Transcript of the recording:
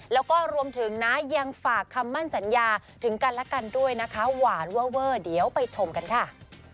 แล้วก็รวมถึงนะยังฝากคำมั่นสัญญาถึงกันและกันด้วยนะคะหวานเวอร์เวอร์เดี๋ยวไปชมกันค่ะ